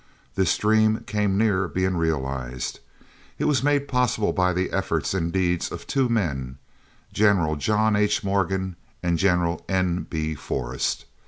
This dream came near being realized. It was made possible by the efforts and deeds of two men, General John H. Morgan and General N. B. Forrest.